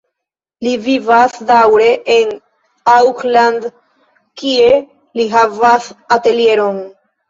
Li vivas daŭre en Auckland, kie li havas atelieron.